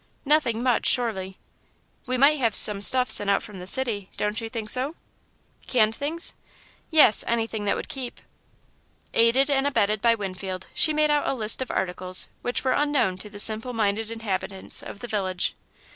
"Nothing much, surely." "We might have some stuff sent out from the city, don't you think so?" "Canned things?" "Yes anything that would keep." Aided and abetted by Winfield, she made out a list of articles which were unknown to the simple minded inhabitants of the village.